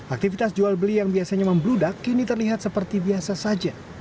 aktivitas jual beli yang biasanya membludak kini terlihat seperti biasa saja